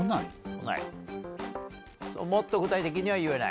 もっと具体的には言えない？